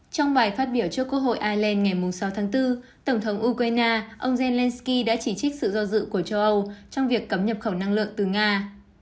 trong bài phát biểu trước quốc hội ireland ngày sáu tháng bốn tổng thống ukraine ông zelensky đã chỉ trích sự do dự của châu âu trong việc cấm nhập khẩu năng lượng từ nga